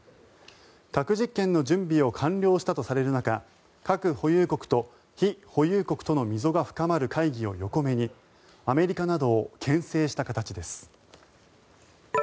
核実験の準備を完了したとされる中核保有国と非保有国との溝が深まる会議を横目にアメリカなどをけん制した形です。